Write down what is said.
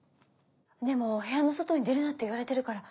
でも部屋の外に出るなって言われてるから。